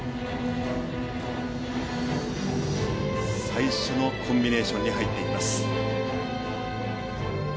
最初のコンビネーションに入っていきます。